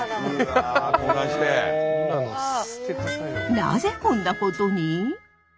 なぜこんなことに？